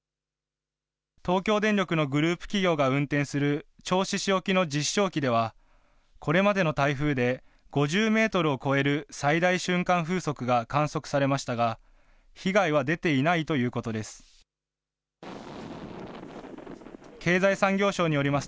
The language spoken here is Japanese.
東京電力のグループ企業が運転する銚子市沖の実証機では、これまでの台風で５０メートルを超える最大瞬間風速が観測されましたが、被害は出ていないということです。